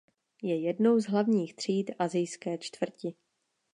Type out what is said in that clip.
Je jednou z hlavních tříd asijské čtvrti.